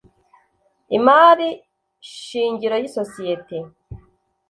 imari shingiro y isosiyete